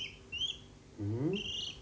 うん？